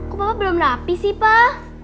kok papa belum rapi sih pak